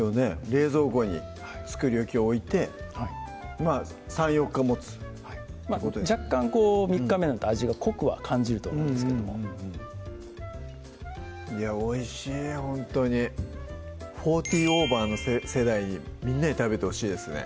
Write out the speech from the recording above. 冷蔵庫に作り置きを置いて３４日もつ若干３日目なんか味が濃くは感じると思うんですけどもいやおいしいほんとにフォーティーオーバーの世代みんなに食べてほしいですね